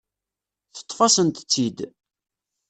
Teṭṭef-asent-tt-id.